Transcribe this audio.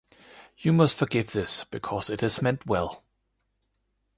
You must forgive this, because it is meant well.